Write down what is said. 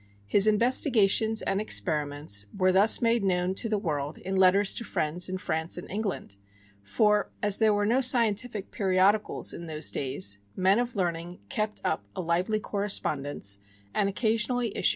His investigations and experiments were thus made known to the world in letters to friends in France and England; for, as there were no scientific periodicals in those days, men of learning kept up a lively correspondence and occasionally issued a pamphlet.